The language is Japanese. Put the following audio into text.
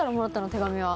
手紙は。